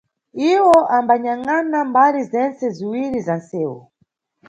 Iwo ambanyangʼana mbali zentse ziwiyi za nʼsewu.